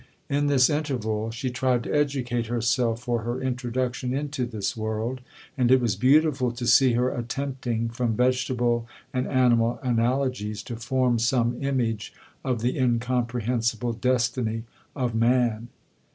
In this interval she tried to educate herself for her introduction into this world, and it was beautiful to see her attempting, from vegetable and animal analogies, to form some image of the incomprehensible destiny of man.